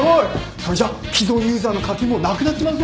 それじゃ既存ユーザーの課金もなくなっちまうぞ！